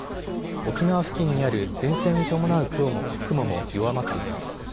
沖縄付近にある前線に伴う雲も弱まっています。